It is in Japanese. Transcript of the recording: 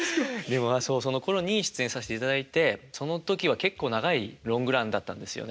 そのころに出演させていただいてその時は結構長いロングランだったんですよね。